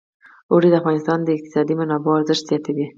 اوړي د افغانستان د اقتصادي منابعو ارزښت زیاتوي.